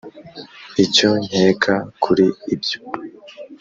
icyo nkeka kuri ibyo”